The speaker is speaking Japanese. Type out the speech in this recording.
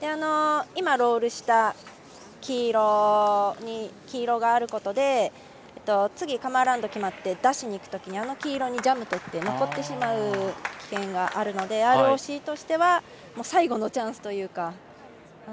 今、ロールした黄色があることで次、カムアラウンドが決まって出しにいくときあの黄色にジャムといって残ってしまう危険があるのでＲＯＣとしては最後のチャンスというか。